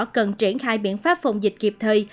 cần triển khai biện pháp phòng dịch kịp thời